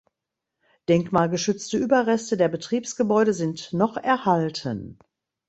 Denkmalgeschützte Überreste der Betriebsgebäude sind noch erhalten.